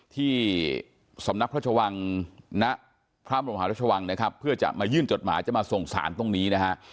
ที่สำนักพระชวังณพระบรมหารัชวังนะครับเพื่อจะมายื่นจดหมายจะมาส่งสารตรงนี้นะฮะ